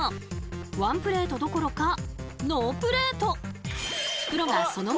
ワンプレートどころかノープレート！